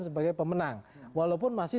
sebagai pemenang walaupun masih